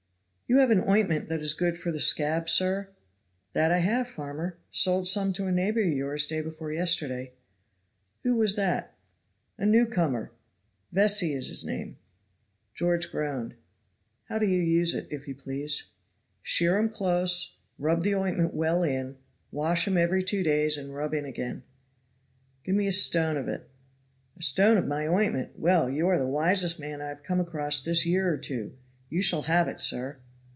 "You have an ointment that is good for the scab, sir?" "That I have, farmer. Sold some to a neighbor of yours day before yesterday." "Who was that?" "A newcomer. Vesey is his name." George groaned. "How do you use it, if you please?" "Shear 'em close, rub the ointment well in, wash 'em every two days, and rub in again." "Give me a stone of it." "A stone of my ointment! Well! you are the wisest man I have come across this year or two. You shall have it, sir."